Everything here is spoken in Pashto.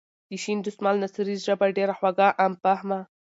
د شین دسمال نثري ژبه ډېره خوږه ،عام فهمه.